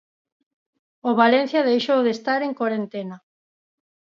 O Valencia deixou de estar en corentena.